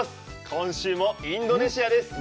今週もインドネシアです。